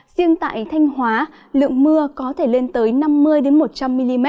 riêng tại thanh hóa lượng mưa có thể lên tới năm mươi một trăm linh mm